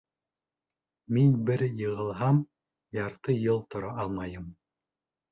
Мин бер йығылһам, ярты йыл тора алмайым.